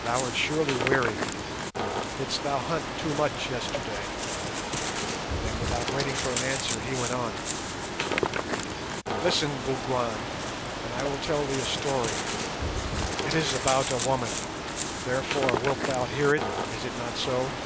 Thou art surely weary. Didst thou hunt too much yesterday?" Then, without waiting for an answer, he went on— "Listen, Bougwan, and I will tell thee a story; it is about a woman, therefore wilt thou hear it, is it not so?